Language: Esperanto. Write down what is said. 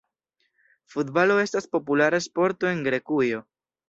Futbalo estas populara sporto en Grekujo.